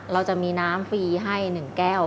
เราจะมีน้ำฟรีให้๑แก้ว